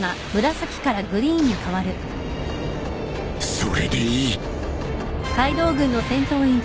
それでいい！